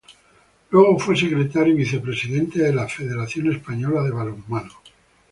Luego fue secretario y vicepresidente de la Federación Española de Balonmano.